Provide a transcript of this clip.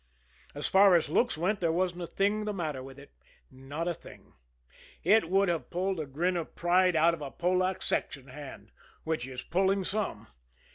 As far as looks went there wasn't a thing the matter with it, not a thing; it would have pulled a grin of pride out of a Polack section hand which is pulling some.